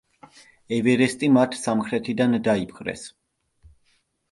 ევერესტი მათ სამხრეთიდან დაიპყრეს.